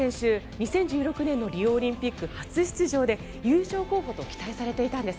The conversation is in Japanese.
２０１６年のリオオリンピック初出場で優勝候補と期待されていたんです。